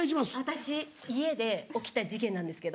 私家で起きた事件なんですけど。